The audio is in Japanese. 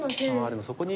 でもそこに。